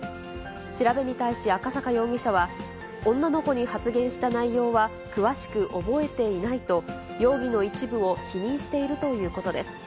調べに対し、赤坂容疑者は、女の子に発言した内容は詳しく覚えていないと、容疑の一部を否認しているということです。